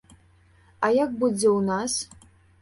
А як будзе ў нас?